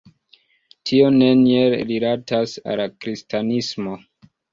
Tio neniel rilatas al kristanismo.